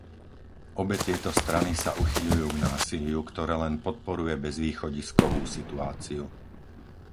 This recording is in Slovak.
Obe tieto strany sa uchyľujú k násiliu, ktoré len podporuje bezvýchodiskovú situáciu.